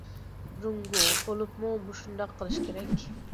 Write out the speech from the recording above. جۇڭگو بولۇپمۇ مۇشۇنداق قىلىشى كېرەك.